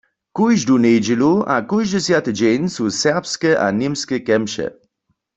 Kóždu njedźelu a kóždy swjaty dźeń su serbske a němske kemše.